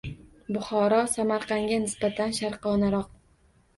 Buxoro Samarqandga nisbatan sharqonaroq.